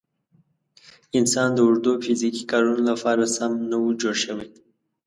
انسان د اوږدو فیزیکي کارونو لپاره سم نه و جوړ شوی.